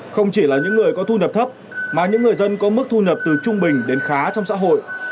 không chỉ là những người có thu nhập thấp mà những người dân có mức thu nhập từ trung bình đến khá trong xã hội